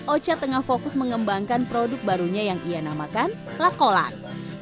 oca tengah fokus mengembangkan produk barunya yang ia namakan lakolat